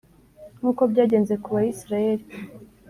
nk’uko byagenze ku Bayisraheli,